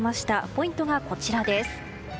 ポイントがこちらです。